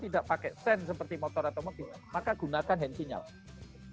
belok kanan karena sepeda tidak pakai sen seperti motor atau mobil maka gunakan hand signal